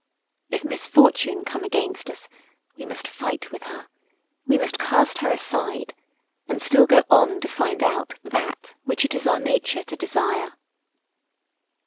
If misfortune come against us we must fight with her; we must cast her aside, and still go on to find out that which it is our nature to desire.